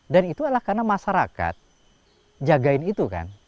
dan itu adalah karena masyarakat jagain itu kan